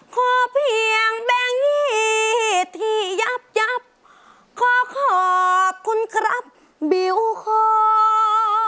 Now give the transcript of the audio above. ขอเพียงแบงงี้ที่ยับขอขอบคุณครับบิ๊วโค้ง